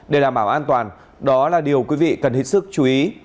để đảm bảo an toàn đó là điều quý vị cần hết sức chú ý